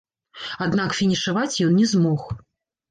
Аднак фінішаваць ён не змог.